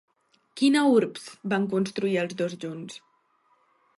Quina urbs van constituir els dos junts?